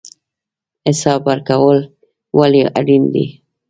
حساب ورکول ولې اړین دي؟